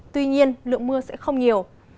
tuy nhiên lượng mưa sẽ không nhiều